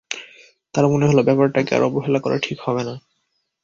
তাঁর মনে হল ব্যাপারটাকে আর অবহেলা করা ঠিক হবে না।